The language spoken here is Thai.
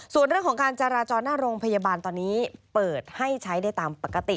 ส่วนเรื่องของการจราจรหน้าโรงพยาบาลตอนนี้เปิดให้ใช้ได้ตามปกติ